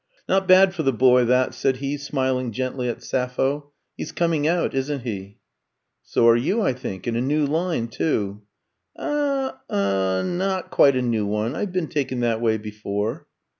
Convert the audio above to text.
"Not bad for the boy, that!" said he, smiling gently at Sappho. "He's coming out, isn't he?" "So are you, I think in a new line too!" "Ah er not quite a new one. I've been taken that way before."